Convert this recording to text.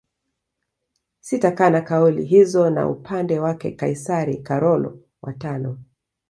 Sitakana kauli hizo na Upande wake Kaisari Karolo wa tano